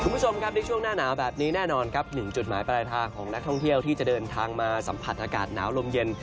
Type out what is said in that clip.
ผมกับเชี่ยวหนาแบบนี้แน่นอนครับหนึ่งจะดูใหม่ตลายทางของในท่องเที่ยวที่จะเดินทางมาสัมผัสอากาศนาวลมเย็น